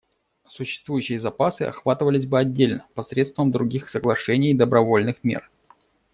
Существующие запасы охватывались бы отдельно посредством других соглашений и добровольных мер.